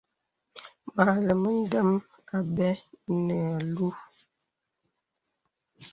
Mə ilɛmaŋ ndə̀m àbə̀ nə alúú.